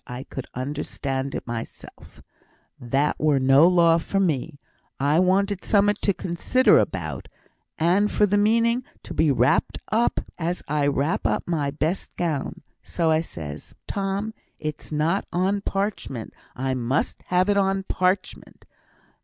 I could understand it mysel' that were no law for me. I wanted summat to consider about, and for th' meaning to be wrapped up as I wrap up my best gown. So says I, 'Tom! it's not on parchment. I mun have it on parchment.'